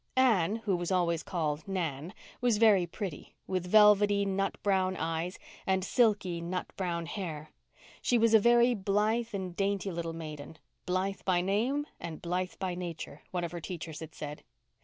Anne, who was always called Nan, was very pretty, with velvety nut brown eyes and silky nut brown hair. She was a very blithe and dainty little maiden—Blythe by name and blithe by nature, one of her teachers had said.